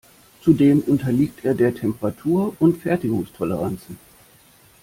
Zudem unterliegt er der Temperatur und Fertigungstoleranzen.